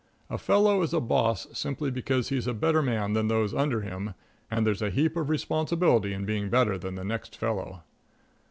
A fellow is a boss simply because he's a better man than those under him, and there's a heap of responsibility in being better than the next fellow.